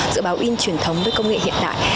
giữa báo in truyền thống với công nghệ hiện đại